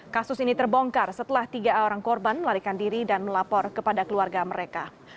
kasus ini terbongkar setelah tiga orang korban larikan diri dan melapor kepada keluarga mereka